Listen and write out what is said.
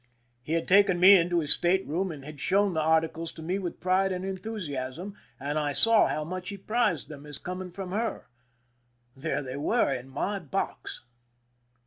He had taken me into his state room and had sliown the articles to me with pride and enthu siasm, and I saw how much he prized them as coming from her. There they were in my box